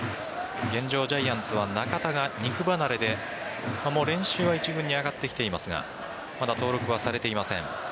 現状、ジャイアンツは中田が肉離れで練習は一部に上がってきていますがまだ登録はされていません。